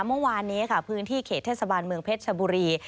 เมื่อวานนี้ค่ะพื้นที่เขตเทศบาลเมืองเพชรชบุรี